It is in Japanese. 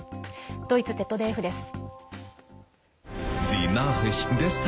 ドイツＺＤＦです。